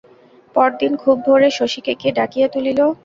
পরদিন খুব ভোরে শশীকে সে ডাকিয়া তুলিল।